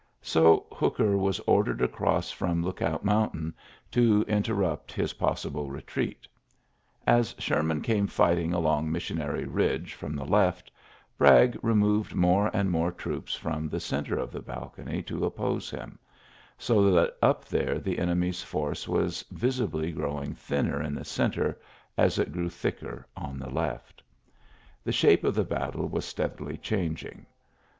So Hooker was or dered across from Lookout Mountain to ^iorary wui^ par^ 94 ULYSSES S. GEANT interrupt his possible retreat As Sher man came fighting along Missionary Bidge from the left^ Bragg removed more and more troops from the centre of the balcony to oppose him, so that np there the enemy's force was visibly grow ing thinner in the centre as it grew thicker on the left The shape of the battle was steadily changing.